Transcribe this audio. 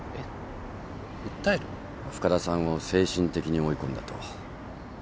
深田さんを精神的に追い込んだと。